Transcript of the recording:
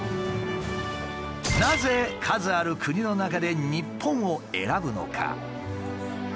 なぜ数ある国の中で日本を選ぶのか？